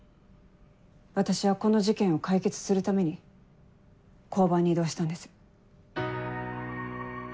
私はこの事件を解決するために交番に異動したんです。